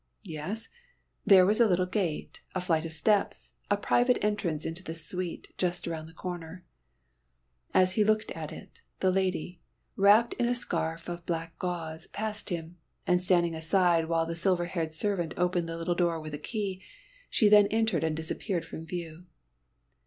Yes, there was a little gate, a flight of steps, a private entrance into this suite, just round the corner. And as he looked at it, the lady, wrapped in a scarf of black gauze, passed him, and standing aside while the silver haired servant opened the little door with a key, she then entered and disappeared from view.